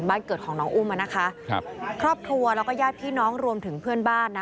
บ้านเกิดของน้องอุ้มอ่ะนะคะครับครอบครัวแล้วก็ญาติพี่น้องรวมถึงเพื่อนบ้านนะ